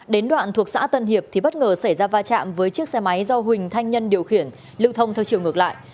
đến đoạn thuộc xã tân hiệp thì bất ngờ xảy ra va chạm với chiếc xe máy do huỳnh thanh nhân điều khiển lưu thông theo chiều ngược lại